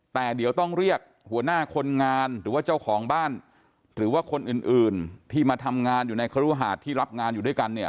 แต่เดี๋ยวต้องเรียกหัวหน้าคนงานหรือว่าเจ้าของบ้านหรือว่าคนอื่นอื่นที่มาทำงานอยู่ในครุหาดที่รับงานอยู่ด้วยกันเนี่ย